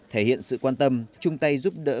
thể hiện sự quan tâm chung tay giúp đỡ